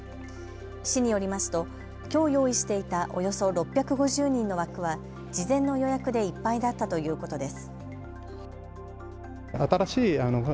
市によりますときょう用意していたおよそ６５０人の枠は事前の予約でいっぱいだったということです。